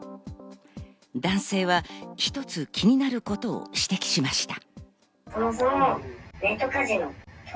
男性は一つ、気になることを指摘しました。